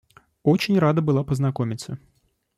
Очень рада была познакомиться.